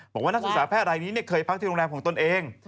บอกว่านักศึกษาแพทย์อะไรอันนี้เนี่ยเคยพักที่โรงแรมของตนเอง